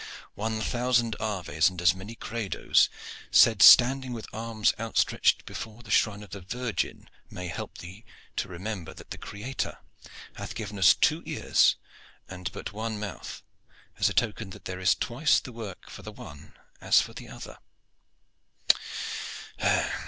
"One thousand Aves and as many Credos, said standing with arms outstretched before the shrine of the Virgin, may help thee to remember that the Creator hath given us two ears and but one mouth, as a token that there is twice the work for the one as for the other.